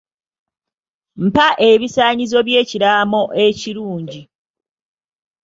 Mpa ebisaanyizo by'ekiraamo ekirungi.